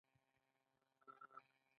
لیونیان به د راتلونکي په اړه مبهمې خبرې کولې.